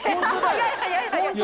早い早い。